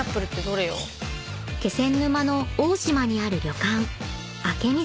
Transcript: ［気仙沼の大島にある］